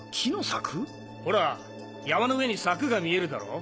ほら山の上に柵が見えるだろ？